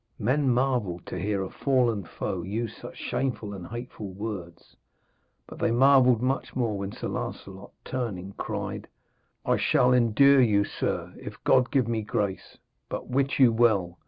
Men marvelled to hear a fallen foe use such shameful and hateful words, but they marvelled much more when Sir Lancelot, turning, cried: 'I shall endure you, sir, if God give me grace; but wit you well.